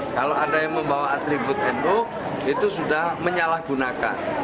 kalau ada yang membawa atribut nu itu sudah menyalahgunakan